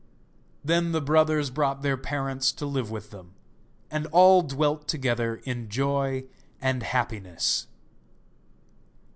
Then the brothers brought their parents to live with them, and all dwelt together in joy and happiness.